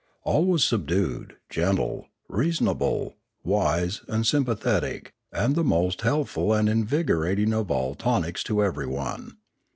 All was subdued, gentle, reasonable, wise, and sympathetic, and the most health ful and invigorating of all tonics to everyone.